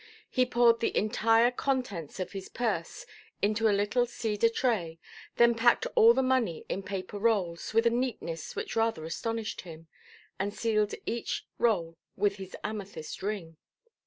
He poured the entire contents of his purse into a little cedar tray, then packed all the money in paper rolls with a neatness which rather astonished him, and sealed each roll with his amethyst ring.